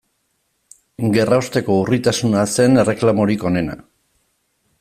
Gerraosteko urritasuna zen erreklamorik onena.